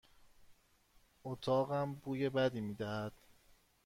اتاقم بوی بدی می دهد.